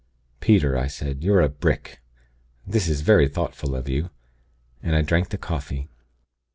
"'Peter,' I said, 'you're a brick. This is very thoughtful of you.' And I drank the coffee.